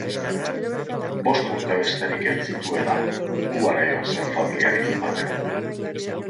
Bost urte besterik ez zituela, Kubara joan zen familiarekin batera.